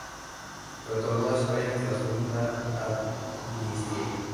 Retornó a España tras una amnistía.